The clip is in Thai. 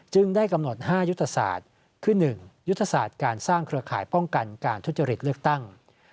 ได้กำหนด๕ยุทธศาสตร์คือ๑ยุทธศาสตร์การสร้างเครือข่ายป้องกันการทุจริตเลือกตั้ง